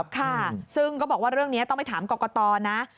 ค่ะซึ่งก็บอกว่าเรื่องนี้ต้องไปถามกรกตนะ